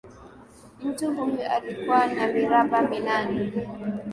Mtu huyo alikuwa wa miraba minane.